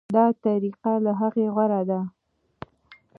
دا طریقه له هغې غوره ده.